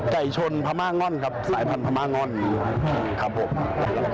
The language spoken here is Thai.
ไก่ชนพม่าง่อนครับสายพันธม่าง่อนครับผม